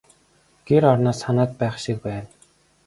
Гэр орноо санаад байх шиг байна.